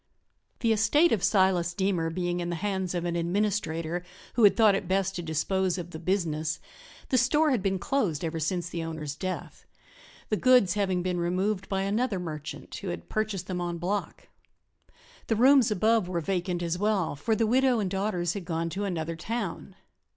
The estate of Silas Deemer being in the hands of an administrator who had thought it best to dispose of the "business" the store had been closed ever since the owner's death, the goods having been removed by another "merchant" who had purchased them enbloc. The rooms above were vacant as well, for the widow and daughters had gone to another town.